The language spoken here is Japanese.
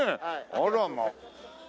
あらま。